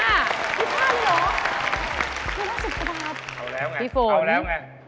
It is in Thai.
ไม่ได้สุขภาพเอาแล้วไง